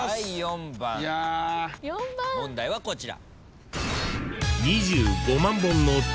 問題はこちら。